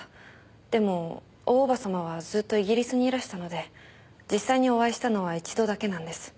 でも大叔母様はずっとイギリスにいらしたので実際にお会いしたのは一度だけなんです。